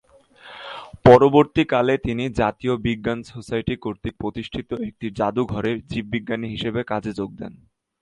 পরবর্তীকালে তিনি জাতীয় বিজ্ঞান সোসাইটি কর্তৃক প্রতিষ্ঠিত একটি জাদুঘরে জীববিজ্ঞানী হিসেবে কাজে যোগ দেন।